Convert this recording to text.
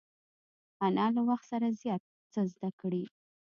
انا له وخت سره زیات څه زده کړي